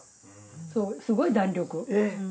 そうすごい弾力。